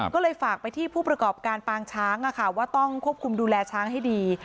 ก็เลยฝากไปที่ผู้ประกอบการปางช้างว่าต้องควบคุมดูแลช้างให้ดี